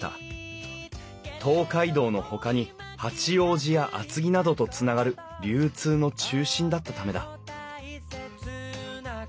東海道のほかに八王子や厚木などとつながる流通の中心だったためだ